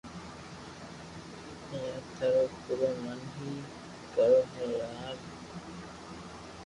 يا ٿرو پورو من ھي ڪرو ھي يار